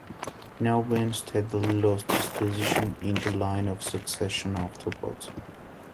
Kyawhtin steadily lost his position in the line of succession afterwards.